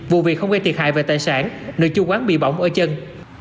vụ việc không gây thiệt hại về tài sản nơi chủ quán bị bỏng ở chân